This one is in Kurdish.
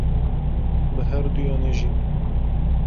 Bi herduyan e jî.